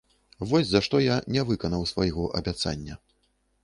Вось за што я не выканаў свайго абяцання.